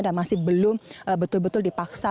dan masih belum betul betul dipaksa